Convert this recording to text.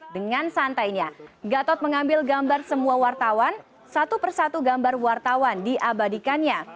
dengan santainya gatot mengambil gambar semua wartawan satu persatu gambar wartawan diabadikannya